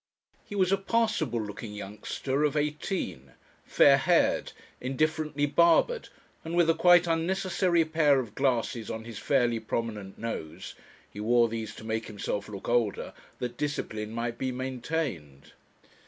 He was a passable looking youngster of eighteen, fair haired, indifferently barbered, and with a quite unnecessary pair of glasses on his fairly prominent nose he wore these to make himself look older, that discipline might be maintained.